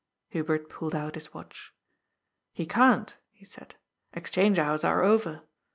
Hubert pulled out his watch. "He can't," he said. " Exchange hours are over.